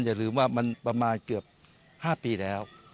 อย่าลืมว่ามันประมาณเกือบ๕ปีแล้ว